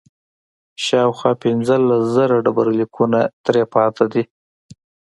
شاوخوا پنځلس زره ډبرلیکونه ترې پاتې دي.